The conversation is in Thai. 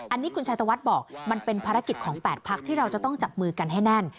อันนี้คุณชายตะวัดบอกมันเป็นภารกิจของ๘พักที่เราจะต้องจับมือกันให้แน่น